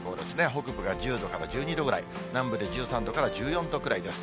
北部が１０度から１２度ぐらい、南部で１３度から１４度くらいです。